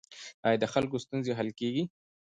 آیا د خلکو ستونزې حل کیږي؟